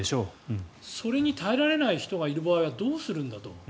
それに耐えられない人がいる場合はどうするんだと。